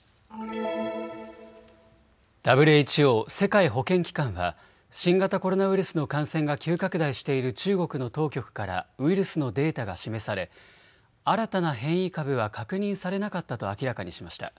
ＷＨＯ・世界保健機関は新型コロナウイルスの感染が急拡大している中国の当局からウイルスのデータが示され新たな変異株は確認されなかったと明らかにしました。